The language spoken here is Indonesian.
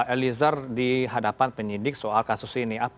elizar dihadapan penyidik soal kasus ini